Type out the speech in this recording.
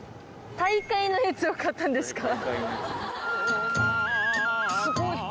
大会のやつを買ったんですか？